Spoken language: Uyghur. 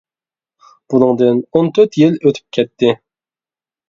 بۇنىڭدىن ئون تۆت يىل ئۆتۈپ كەتتى.